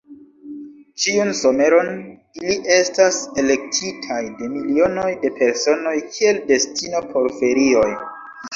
Ĉiun someron, ili estas elektitaj de milionoj de personoj kiel destino por ferioj.